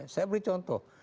saya beri contoh